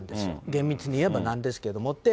厳密に言えばなんですけども。